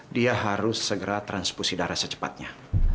dia harus segera transfusi darah secepatnya